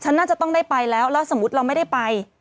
น่าจะต้องได้ไปแล้วแล้วสมมุติเราไม่ได้ไป